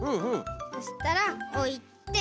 そしたらおいて。